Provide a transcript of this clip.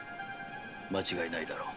間違いないだろう。